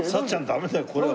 ダメだよこれは。